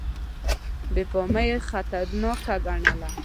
بې پامي یې خطرناکه ګڼله.